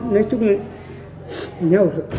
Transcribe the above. nói chung nhau